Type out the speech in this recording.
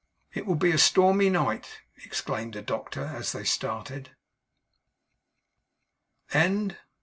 'It will be a stormy night!' exclaimed the doctor, as they started.